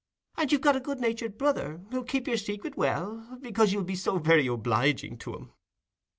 And you've got a good natured brother, who'll keep your secret well, because you'll be so very obliging to him."